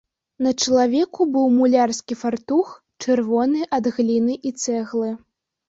На чалавеку быў мулярскі фартух, чырвоны ад гліны і цэглы.